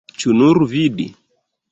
Ĉu nur vidi?